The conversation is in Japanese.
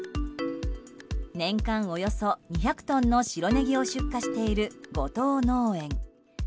年間およそ２００トンの白ネギを出荷している後藤農園。